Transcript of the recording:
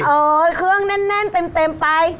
เครื่องแน่นเต็มไป